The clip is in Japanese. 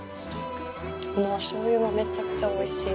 このおしょうゆもめちゃくちゃおいしい。